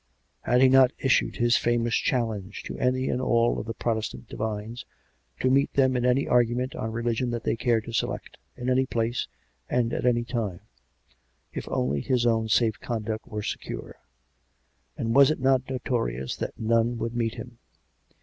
Had he not issued his famous " challenge " to any and all of the Protestant divines, to meet them in any argument on religion that they cared to select, in any place and at any time, if only his own safe conduct were secure.'' And was it not notorious that none would meet him?